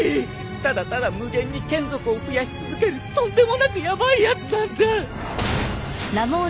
ただただ無限に眷属を増やし続けるとんでもなくヤバいやつなんだ。